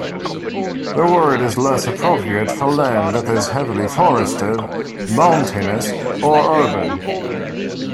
The word is less appropriate for land that is heavily forested, mountainous, or urban.